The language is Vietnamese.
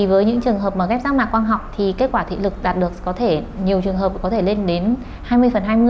với những trường hợp ghép rác mạc quang học thì kết quả thị lực đạt được nhiều trường hợp có thể lên đến hai mươi phần hai mươi